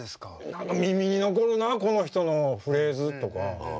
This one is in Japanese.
「何か耳に残るなこの人のフレーズ」とか。